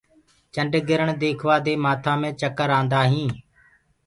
چنڊگِرڻ ديکوآ دي مآٿآ مي چڪر آندآ هينٚ۔